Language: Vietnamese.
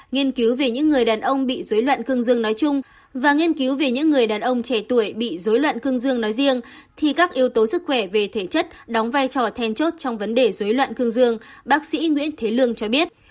nghiên cứu về những người đàn ông bị dối loạn cương dương nói chung và nghiên cứu về những người đàn ông trẻ tuổi bị dối loạn cương dương nói riêng thì các yếu tố sức khỏe về thể chất đóng vai trò then chốt trong vấn đề dối loạn cương dương bác sĩ nguyễn thế lương cho biết